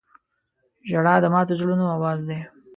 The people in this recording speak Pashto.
• ژړا د ماتو زړونو اواز دی.